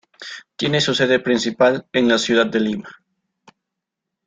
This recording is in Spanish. Tiene su sede principal en la ciudad de Lima.